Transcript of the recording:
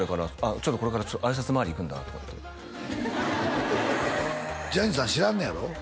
「ちょっとこれからあいさつ回り行くんだ」とか言ってジャニーさん知らんねやろ？